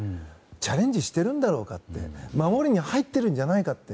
チャレンジしてるんだろうかって守りに入っているんじゃないだろうかって。